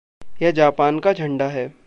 यह जापान का झंडा है।